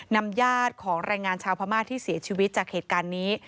ญาติของแรงงานชาวพม่าที่เสียชีวิตจากเหตุการณ์นี้